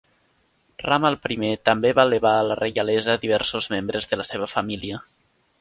Rama el Primer també va elevar a la reialesa diversos membres de la seva família.